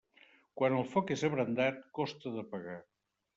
Quan el foc és abrandat, costa d'apagar.